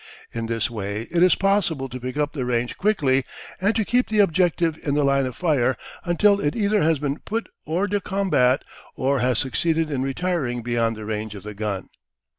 In this way it is possible to pick up the range quickly and to keep the objective in the line of fire until it either has been put hors de combat, or has succeeded in retiring beyond the range of the gun.